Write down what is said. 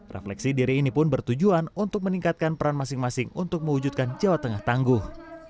refleksi diri ini pun bertujuan untuk meningkatkan peran masing masing untuk mewujudkan jawa tengah tangguh